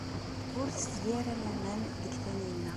Ur tetteg ara laman deg Taninna.